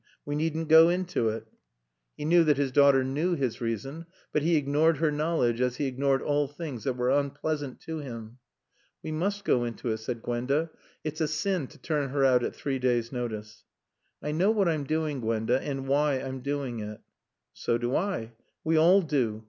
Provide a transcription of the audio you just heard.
We needn't go into it." He knew that his daughter knew his reason. But he ignored her knowledge as he ignored all things that were unpleasant to him. "We must go into it," said Gwenda. "It's a sin to turn her out at three days' notice." "I know what I'm doing, Gwenda, and why I'm doing it." "So do I. We all do.